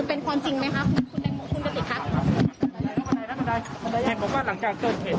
เป็นคนจริงไหมครับคุณแจงโมคุณเจ้าสิทธิ์ครับ